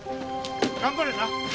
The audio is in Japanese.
頑張れな。